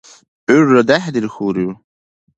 ГӀурра дехӀдирхьулрив!?